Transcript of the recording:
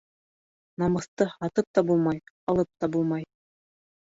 Намыҫты һатып та булмай, алып, та булмай.